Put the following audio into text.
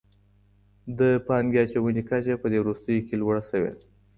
د پانګې اچونې کچه په دې وروستيو کي لوړه سوي ده.